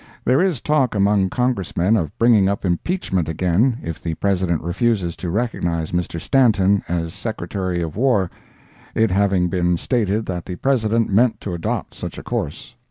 There is talk among Congressmen of bringing up impeachment again if the President refuses to recognize Mr. Stanton as Secretary of War—it having been stated that the President meant to adopt such a course.